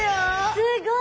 すごい。